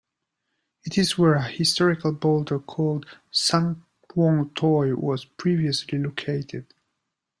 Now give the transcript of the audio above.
It is where a historical boulder called Sung Wong Toi was previously located.